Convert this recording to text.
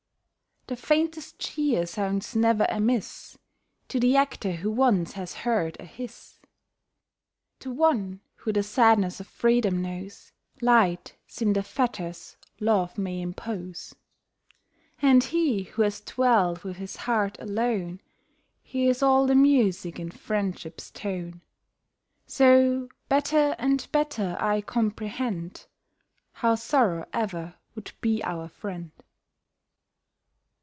The faintest cheer sounds never amiss To the actor who once has heard a hiss. To one who the sadness of freedom knows, Light seem the fetters love may impose. And he who has dwelt with his heart alone, Hears all the music in friendship's tone. So better and better I comprehend How sorrow ever would be our friend.